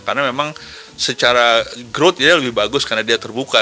karena memang secara growth ya lebih bagus karena dia terbuka